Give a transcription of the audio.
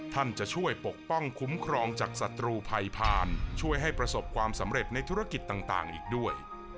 จะช่วยปกป้องคุ้มครองจากศัตรูภัยผ่านช่วยให้ประสบความสำเร็จในธุรกิจต่างอีกด้วย